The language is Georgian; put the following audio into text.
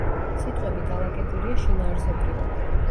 სიტყვები დალაგებულია შინაარსობრივად.